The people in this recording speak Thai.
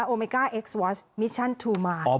โอมิก้าเอ็กซ์สวาชมิชชั่นทูมาร์สนะคะ